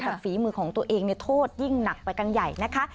แต่ฝีมือของตัวเองโทษยิ่งหนักไปกันใหญ่นะคะ